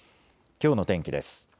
きょうの天気です。